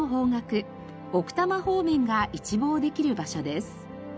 奥多摩方面が一望できる場所です。